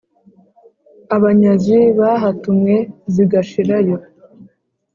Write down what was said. Abanyazi bahatumwe zigashirayo,